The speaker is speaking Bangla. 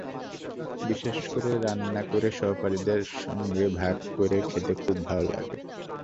বিশেষ করে রান্না করে সহপাঠীদের সঙ্গে ভাগ করে খেতে খুব ভালো লাগে।